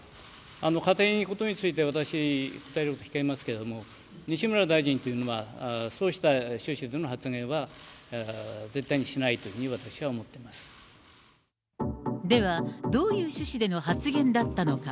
仮定のことについて私、答えること控えますけれども、西村大臣というのは、そうした趣旨での発言は絶対にしないというふうに私は思っていまでは、どういう趣旨での発言だったのか。